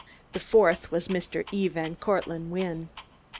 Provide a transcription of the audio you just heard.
The fourth was Mr. E. van Cortlandt Wynne.